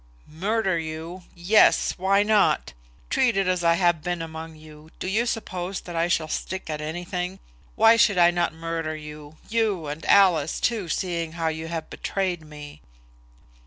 "Murder you! yes; why not? Treated as I have been among you, do you suppose that I shall stick at anything? Why should I not murder you you and Alice, too, seeing how you have betrayed me?"